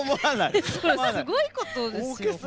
すごいことだよ。